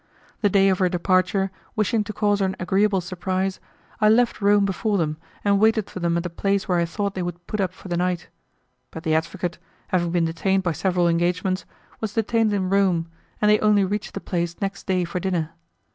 The day of her departure, wishing to cause her an agreeable surprise, I left Rome before them and waited for them at the place where I thought they would put up for the night, but the advocate, having been detained by several engagements, was detained in Rome, and they only reached the place next day for dinner.